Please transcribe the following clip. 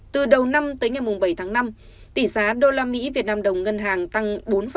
từ đầu năm tới ngày bảy tháng năm tỷ giá usd vnđ ngân hàng tăng bốn hai mươi năm